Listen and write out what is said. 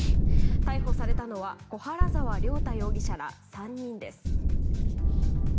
逮捕されたのは小原澤亮太容疑者ら、３人です。